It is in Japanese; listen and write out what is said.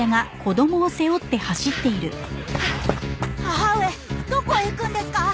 母上どこへ行くんですか！？